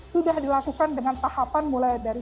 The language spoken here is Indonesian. sudah dilakukan dengan tahapan mulai dari